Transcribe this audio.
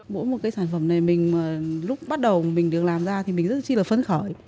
mỗi một cái sản phẩm này mình mà lúc bắt đầu mình được làm ra thì mình rất là phấn khởi